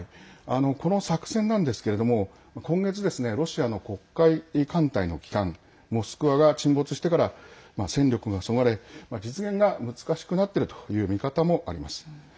この作戦なんですけれども今月ロシアの黒海艦隊の旗艦「モスクワ」が沈没してから戦力がそがれ実現が難しくなっているという見方もあります。